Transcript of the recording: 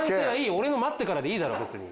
俺の待ってからでいいだろ別に。